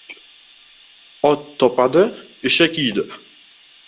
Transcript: — Ot topadi, eshak yeydi!